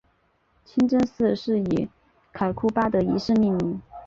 清真寺是以凯库巴德一世命名。